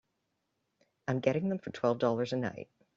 I'm getting them for twelve dollars a night.